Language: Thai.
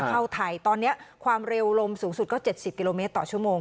เข้าไทยตอนนี้ความเร็วลมสูงสุดก็๗๐กิโลเมตรต่อชั่วโมง